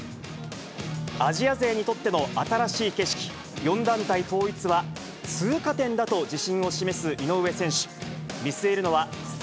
アジア勢にとっての新しい景色、４団体統一は通過点だと自信を示す井上選手。